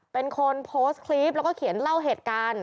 เป็นคนโพสต์คลิปแล้วก็เขียนเล่าเหตุการณ์